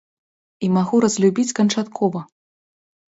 І магу разлюбіць канчаткова!